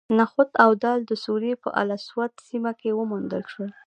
نخود او دال د سوریې په الاسود سیمه کې وموندل شول.